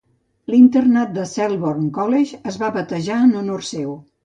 L'internat de Selborne College es va batejar en honor seu.